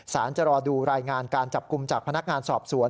จะรอดูรายงานการจับกลุ่มจากพนักงานสอบสวน